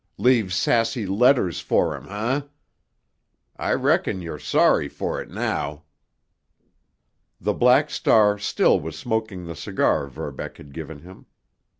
Leave sassy letters for him, eh? I reckon you're sorry for it now!" The Black Star still was smoking the cigar Verbeck had given him.